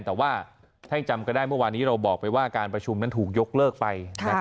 แต่ว่าท่านจำก็ได้เมื่อวานนี้เราบอกไปว่าการประชุมนั้นถูกยกเลิกไป